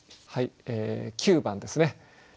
はい９番ですね。